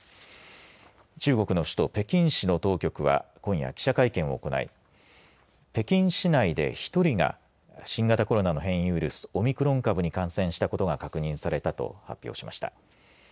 中国の首都、北京市の当局は今夜記者会見を行い北京市内で１人が新型コロナの変異ウイルスオミクロン株に感染したことが確認されたと発表しました。